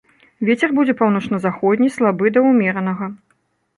Вецер будзе паўночна-заходні слабы да ўмеранага.